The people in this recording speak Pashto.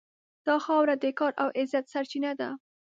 دا خاوره د کار او عزت سرچینه ده.